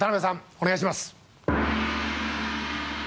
お願いします。